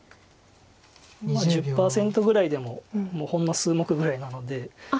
１０％ぐらいでももうほんの数目ぐらいなので。